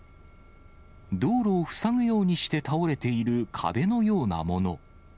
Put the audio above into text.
道路を塞ぐようにして倒れている壁のようなもの。